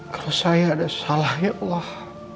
kalau saya ada salah ya allah